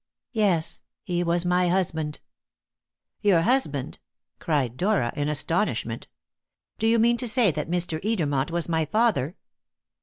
"Yes. He was my husband!" "Your husband!" cried Dora in astonishment. "Do you mean to say that Mr. Edermont was my father?"